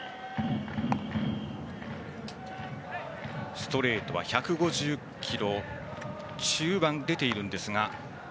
ストレートは１５０キロ中盤出ているんですが。